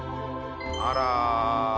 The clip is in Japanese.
あら！